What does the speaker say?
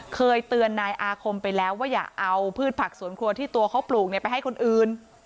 เคยเตือนนายอาคมไปแล้วว่าอย่าเอาพืชผักสวนครัวที่ตัวเขาปลูกไปให้คนอื่น